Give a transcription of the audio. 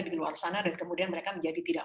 di luar sana dan kemudian mereka menjadi tidak